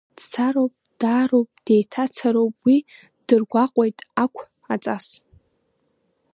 Дцароуп, даароуп, деиҭацароуп, уи ддыргәаҟуеит ақә, аҵас…